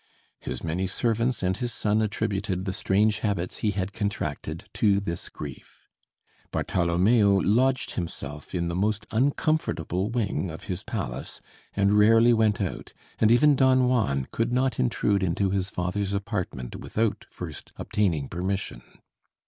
His many servants and his son attributed the strange habits he had contracted to this grief. Bartholomeo lodged himself in the most uncomfortable wing of his palace and rarely went out, and even Don Juan could not intrude into his father's apartment without first obtaining permission.